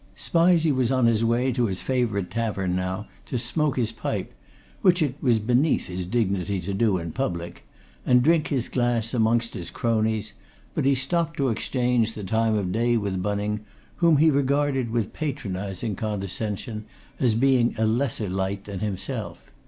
Spizey was on his way to his favourite tavern now, to smoke his pipe which it was beneath his dignity to do in public and drink his glass amongst his cronies, but he stopped to exchange the time of day with Bunning, whom he regarded with patronizing condescension, as being a lesser light than himself.